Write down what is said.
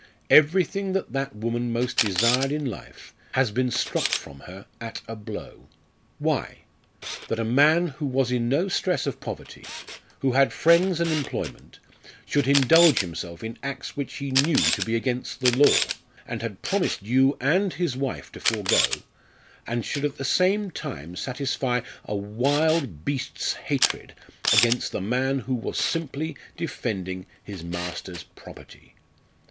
Everything that that woman most desired in life has been struck from her at a blow. Why? That a man who was in no stress of poverty, who had friends and employment, should indulge himself in acts which he knew to be against the law, and had promised you and his wife to forego, and should at the same time satisfy a wild beast's hatred against the man, who was simply defending his master's property.